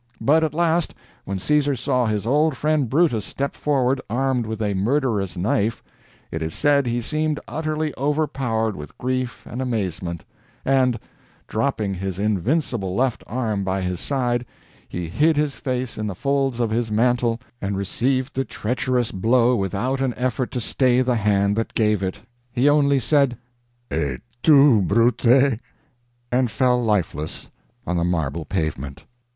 But at last, when Caesar saw his old friend Brutus step forward armed with a murderous knife, it is said he seemed utterly overpowered with grief and amazement, and, dropping his invincible left arm by his side, he hid his face in the folds of his mantle and received the treacherous blow without an effort to stay the hand that gave it. He only said, "Et tu, Brute?" and fell lifeless on the marble pavement.